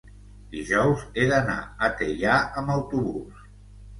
dijous he d'anar a Teià amb autobús.